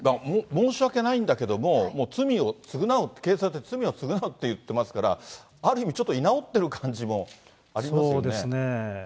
申し訳ないんだけども、もう、罪を償う、警察に罪を償うと言っていますから、ある意味、ちょっと居直ってそうですよね。